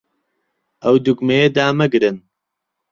ئەو دوگمەیە دامەگرن.